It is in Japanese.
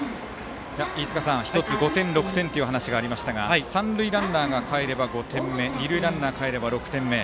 飯塚さん、１つ５点、６点という話がありましたが三塁ランナーがかえれば５点目二塁ランナーかえれば６点目。